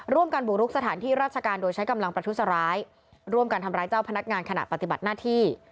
ร่วมกันบุกรุกสถานที่ราชการโดยใช้กำลังประทุษร้ายร่วมกันทำร้ายเจ้าพนักงานขณะปฏิบัติหน้าที่